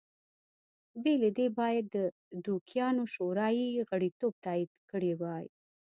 بې له دې باید د دوکیانو شورا یې غړیتوب تایید کړی وای